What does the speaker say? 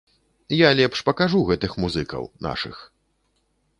Я лепш пакажу гэтых музыкаў, нашых.